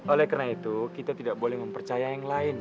oleh karena itu kita tidak boleh mempercaya yang lain